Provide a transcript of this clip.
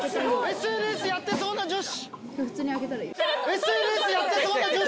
ＳＮＳやってそうな女子！